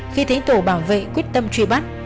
khi thấy tổ bảo vệ quyết tâm truy bắt